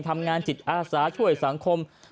ทำงานจิตอาสาช่วยสังคม